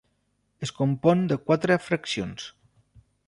Es compon de quatre fraccions.